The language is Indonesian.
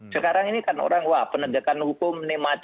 sekarang ini kan orang wah penegakan hukum